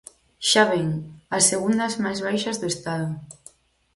Xa ven: as segundas máis baixas do Estado.